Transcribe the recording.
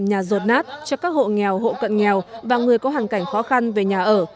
nhà rột nát cho các hộ nghèo hộ cận nghèo và người có hàn cảnh khó khăn về nhà ở